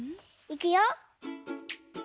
いくよ。